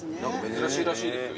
珍しいらしいですよ